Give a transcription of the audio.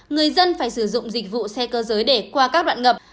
người dân phải sử dụng dịch vụ xe cơ giới để qua các đoạn ngập